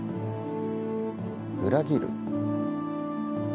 裏切る？